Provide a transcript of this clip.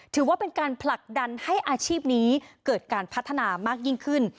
ถือว่าเป็นการผลักดันให้อาชีพนี้เกิดการพัฒนามากยิ่งขึ้น